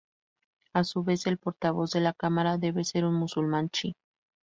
A su vez, el portavoz de la cámara debe ser un musulmán chií.